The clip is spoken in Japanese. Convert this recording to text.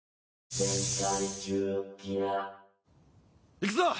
いくぞ！